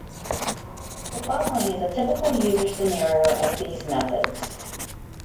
The following is a typical user scenario of these methods.